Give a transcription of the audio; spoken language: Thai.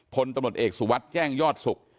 พลตำรวจเอกสุวัสดิ์แจ้งยอดศุกร์